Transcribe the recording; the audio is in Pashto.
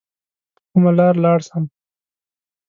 په کومه لار لاړ سم؟